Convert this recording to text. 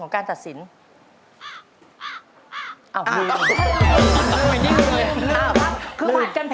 ของของการศักดิ์ศิลป์